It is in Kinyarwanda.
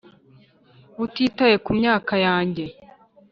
utitaye ku myaka yanjye.